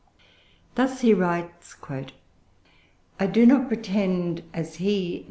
Thus he writes: "I do not pretend, as he [M.